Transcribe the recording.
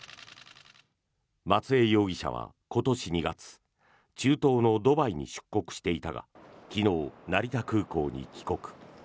松江容疑者は今年２月中東のドバイに出国していたが昨日、成田空港に帰国。